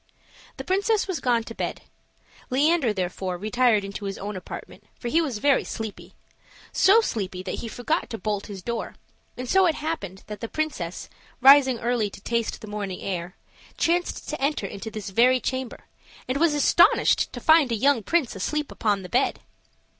The princess was gone to bed. Leander, therefore, retired into his own apartment, for he was very sleepy so sleepy that he forgot to bolt his door; and so it happened that the princess, rising early to taste the morning air, chanced to enter into this very chamber, and was astonished to find a young prince asleep upon the bed.